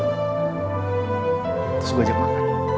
terus gue ajak makan